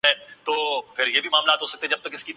اس ملک میں ان کا ایک حلقہ ہے۔